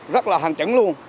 rất là hàng chứng luôn